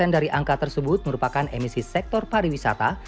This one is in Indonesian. dua puluh satu dari angka tersebut merupakan emisi sektor pariwisata